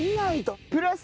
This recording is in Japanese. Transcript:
プラス。